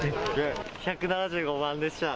１７５番でした。